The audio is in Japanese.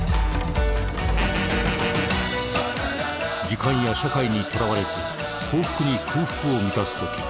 時間や社会にとらわれず幸福に空腹を満たすとき